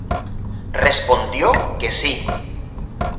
Respondió que sí.